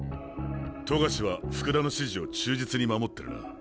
冨樫は福田の指示を忠実に守ってるな。